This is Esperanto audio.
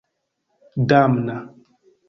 damna